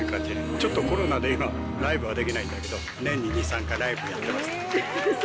ちょっとコロナで今、ライブはできないんだけど、年に２、３回、ライブやってます。